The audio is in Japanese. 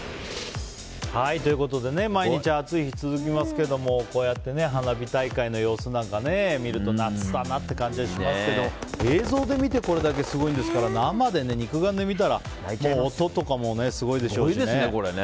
毎日暑い日が続きますけどもこうやって花火大会の様子なんか見ると夏だなって感じがしますけど映像で見て、これだけすごいんですから生で肉眼で見たらもう音とかもすごいでしょうしね。